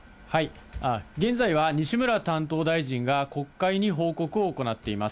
現在は西村担当大臣が国会に報告を行っています。